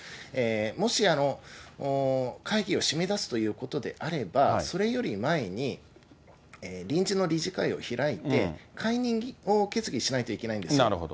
もし、会議を締め出すということであれば、それより前に、臨時の理事会を開いて、解任を決議しないといけないんですよ。